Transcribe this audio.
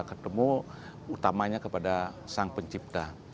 ketemu utamanya kepada sang pencipta